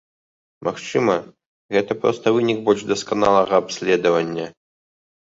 Магчыма, гэта проста вынік больш дасканалага абследавання.